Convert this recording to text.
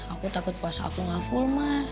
aku takut puasa aku gak full ma